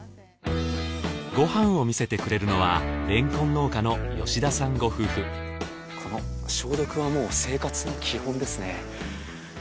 ご飯を見せてくれるのはれんこん農家の吉田さんご夫婦消毒はもう生活の基本ですね。